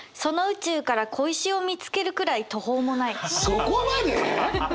そこまで！？